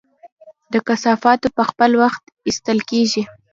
د کثافاتو په خپل وخت ایستل کیږي؟